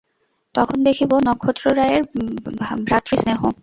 তখন দেখিব নক্ষত্ররায়ের ভ্রাতৃস্নেহ।